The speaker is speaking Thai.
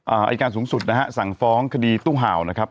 อายการสูงสุดนะฮะสั่งฟ้องคดีตู้เห่านะครับ